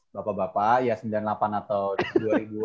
bapak bapak ya sembilan puluh delapan atau